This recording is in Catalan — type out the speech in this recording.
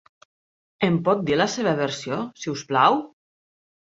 Em pot dir la seva versió, si us plau?